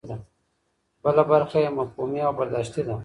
بله برخه یې مفهومي او برداشتي ده.